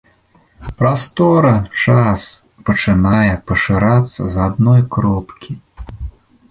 Прастора-час пачынае пашырацца з адной кропкі.